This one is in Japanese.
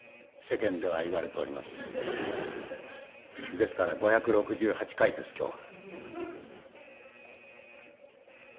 ですから５６８回です今日が。